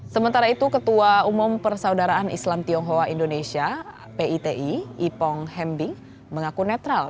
sementara itu ketua umum persaudaraan islam tionghoa indonesia piti ipong hembing mengaku netral